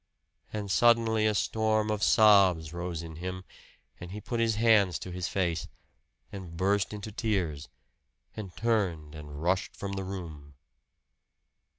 And suddenly a storm of sobs rose in him; and he put his hands to his face, and burst into tears, and turned and rushed from the room.